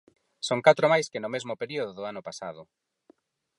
Son catro máis que no mesmo período do ano pasado.